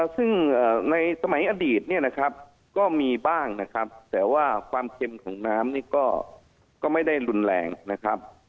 ซึ่งในสมัยอดีตเนี่ยนะครับก็มีบ้างนะครับแต่ว่าความเค็มของน้ำนี่ก็ไม่ได้รุนแรงนะครับ